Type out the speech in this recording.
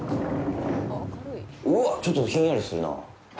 うわっ、ちょっとひんやりするな。